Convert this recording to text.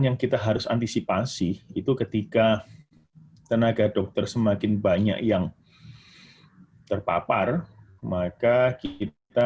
yang kita harus antisipasi itu ketika tenaga dokter semakin banyak yang terpapar maka kita